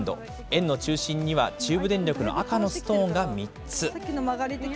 円の中心には、中部電力の赤のストーンが３つ。